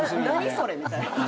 それみたいな。